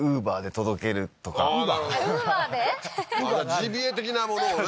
ジビエ的なものをね